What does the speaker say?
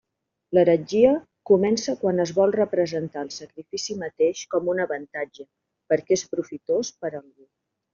L'heretgia comença quan es vol representar el sacrifici mateix com un avantatge, perquè és profitós per a algú.